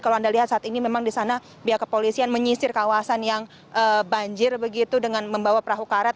kalau anda lihat saat ini memang di sana pihak kepolisian menyisir kawasan yang banjir begitu dengan membawa perahu karet